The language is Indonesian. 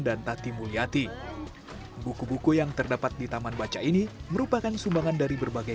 dan tati mulyati buku buku yang terdapat di taman baca ini merupakan sumbangan dari berbagai